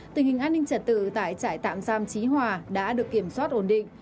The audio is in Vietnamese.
tình hình an ninh trật tự tại trại tạm giam trí hòa đã được kiểm soát ổn định